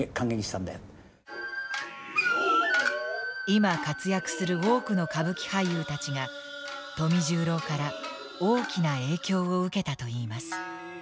今活躍する多くの歌舞伎俳優たちが富十郎から大きな影響を受けたといいます。